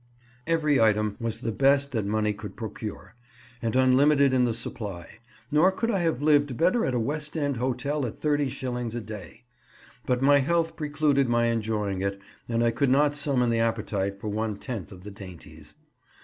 Every item was the best that money could procure, and unlimited in the supply, nor could I have lived better at a West End hotel at thirty shillings a day; but my health precluded my enjoying it, and I could not summon the appetite for one tenth of the dainties.